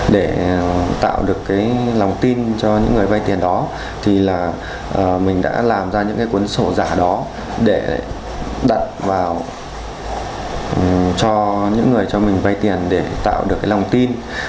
để tạo được cái lòng tin cho những người vay tiền đó thì là mình đã làm ra những cái cuốn sổ giả đó để đặt vào cho những người cho mình vay tiền để tạo được cái lòng tin